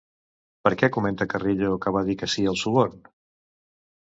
Per què comenta Carrillo que va dir que sí al suborn?